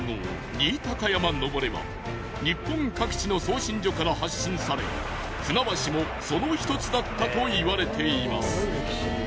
「新高山登レ」は日本各地の送信所から発信され船橋もその１つだったといわれています。